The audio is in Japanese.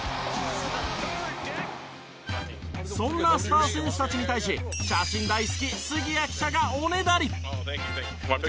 そんなスター選手たちに対し写真大好き杉谷記者がおねだり。